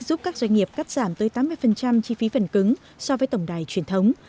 giúp các doanh nghiệp cắt giảm tới tám mươi chi phí phần cứng so với tổng đài truyền thống